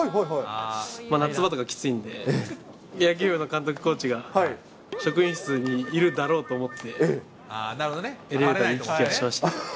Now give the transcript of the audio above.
夏場とかきついんで、野球部の監督、コーチが職員室にいるだろうと思って、エレベーターで行き来はしました。